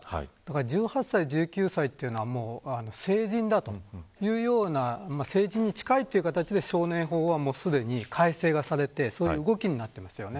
１８歳、１９歳というのは成人だというような成人に近いという形で少年法はすでに改正がされてそういう動きになっています。